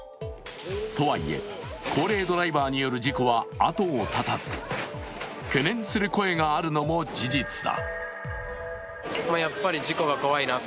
とはいえ、高齢ドライバーによる事故は後を絶たず懸念する声があるのも事実だ。